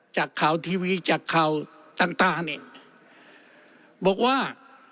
จากข่าวทีวีจากข่าวต่างเนี่ยบอกว่า